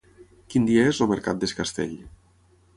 Quin dia és el mercat d'Es Castell?